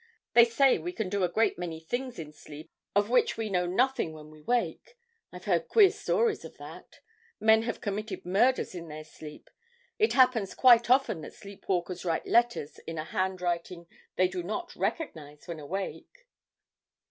They say we can do a great many things in sleep, of which we know nothing when we wake. I've heard queer stories of that. Men have committed murders in their sleep. It happens quite often that sleep walkers write letters in a handwriting they do not recognize when awake.'